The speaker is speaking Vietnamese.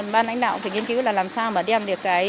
ban lãnh đạo phải nghiên cứu là làm sao mà đem được cái